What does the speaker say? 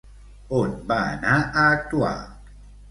On va anar a actuar?